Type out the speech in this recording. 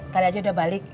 kary aja udah balik